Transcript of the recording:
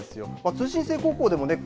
通信制高校でもね